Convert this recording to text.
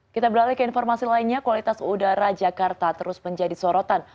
kita beralih ke informasi lainnya kualitas udara jakarta terus menjadi sorotan